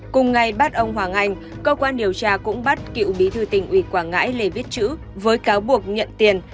cùng ngày bắt ông hoàng anh cơ quan điều tra cũng bắt cựu bí thư tỉnh ủy quảng ngãi lê viết chữ với cáo buộc nhận tiền